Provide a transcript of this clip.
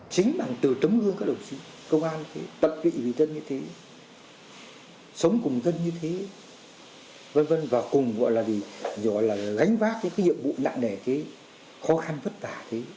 chính bằng từ trống hương các đồng chí công an tập trị vị trân như thế sống cùng dân như thế v v và cùng gánh vác những nhiệm vụ nặng nẻ khó khăn vất tả